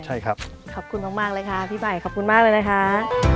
ใช่ครับขอบคุณมากเลยค่ะพี่ใหม่ขอบคุณมากเลยนะคะ